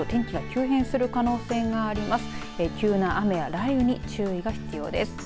急な雨、雷雨に注意が必要です。